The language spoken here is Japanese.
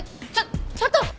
ちょっと！